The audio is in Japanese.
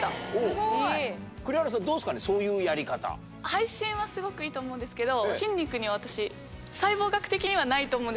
配信はすごくいいと思うんですけど。